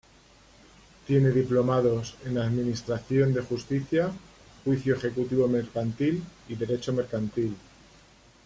Tiene diplomados en Administración de Justicia, Juicio Ejecutivo Mercantil y Derecho Mercantil.